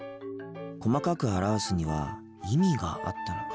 細かく表すには意味があったのか。